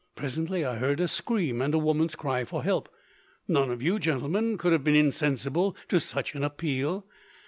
Presently, I heard a scream and a woman's cry for help. None of you, gentlemen, could have been insensible to such an appeal.